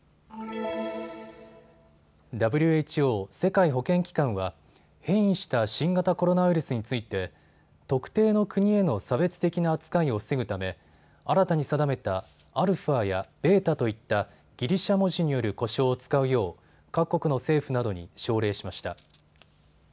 ＷＨＯ・世界保健機関は変異した新型コロナウイルスについて特定の国への差別的な扱いを防ぐため新たに定めたアルファやベータといったギリシャ文字による呼称を使うよう各国の政府などに奨励しました。